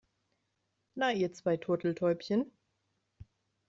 Na, ihr zwei Turteltäubchen.